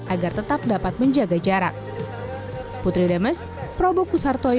agar tetap dapat menjaga jarak